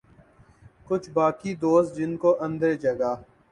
کچھ باقی دوست جن کو اندر جگہ